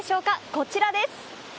こちらです。